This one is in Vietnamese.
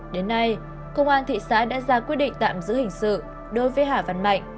đến nay công an thị xã đã ra quyết định tạm giữ hình sự đối với hà văn mạnh